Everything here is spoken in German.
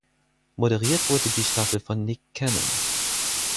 Moderiert wurde die Staffel von Nick Cannon.